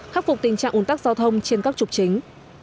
khắc phục tình trạng ủn tắc giao thông trên các trục chính